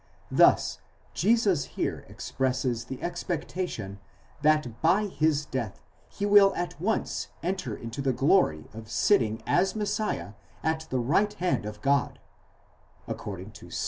Thus Jesus here expresses the expectation that by his death he will at once enter into the glory of sitting as Messiah at the right hand of God, according to Ps.